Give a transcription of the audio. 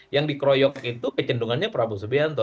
yang dikroyok itu kecendungannya prabowo subianto